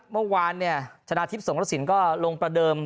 เมื่อวานเนี่ยชนะทิพย์สงรสินก็ลงประเดิม